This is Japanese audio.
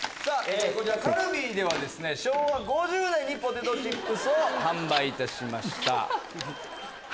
こちらカルビーでは昭和５０年にポテトチップスを販売いたしました。